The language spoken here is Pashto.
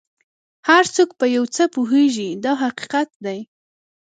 هر څوک په یو څه پوهېږي دا حقیقت دی.